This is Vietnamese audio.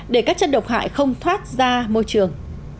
để các chất độc hại không thoát ra môi trường